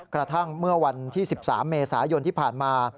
กระทั่งเมื่อวันที่๑๓เมษายนที่ผ่านมา